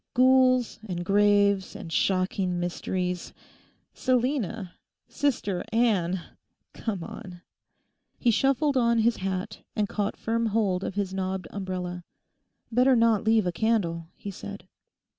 Ghouls and graves and shocking mysteries—Selina! Sister Anne! Come on.' He shuffled on his hat and caught firm hold of his knobbed umbrella. 'Better not leave a candle,' he said.